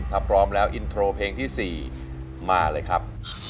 ถ้าพร้อมแล้วอินโทรเพลงที่๔มาเลยครับ